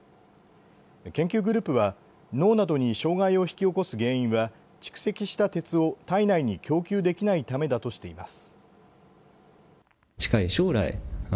研究グループは脳などに障害を引き起こす原因は蓄積した鉄を体内に供給できないためだとしています。